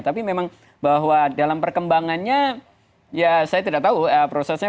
tapi memang bahwa dalam perkembangannya ya saya tidak tahu prosesnya